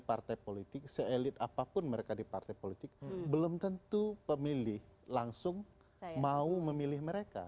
partai politik seelit apapun mereka di partai politik belum tentu pemilih langsung mau memilih mereka